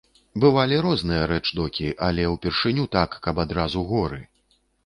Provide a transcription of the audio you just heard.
Бывалі розныя рэчдокі, але ўпершыню так, каб адразу горы!